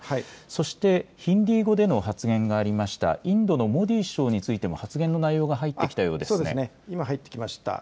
そしてヒンディー語での発言がありました、インドのモディ首相についても発言の内容が入ってきた今、入ってきました。